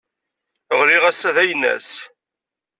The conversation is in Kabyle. Ɣileɣ ass-a d aynass.